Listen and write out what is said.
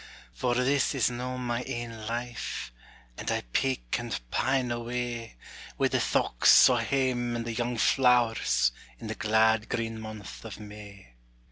For this is no my ain life, And I peak and pine away Wi' the thochts o' hame and the young flowers, In the glad green month of May.